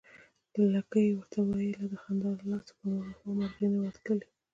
لکۍ يې ورته ويله، د خندا له لاسه په هماغه خوا مرغۍ نه ورتلې